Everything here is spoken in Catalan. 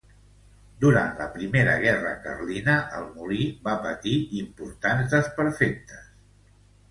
Durant la primera guerra carlina el molí va patir importants desperfectes.